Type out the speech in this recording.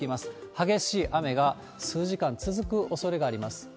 激しい雨が数時間続くおそれがあります。